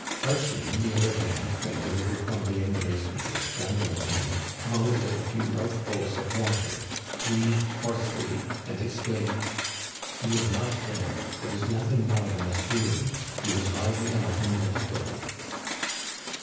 Archie, on the other hand, when delivered from the embrace which was strangling him, vomited a few mouthfuls of water, breathed hoarsely, and exclaimed :*' He is not dead ; it is nothing more than a swoon ; he was lively enough a minute ago."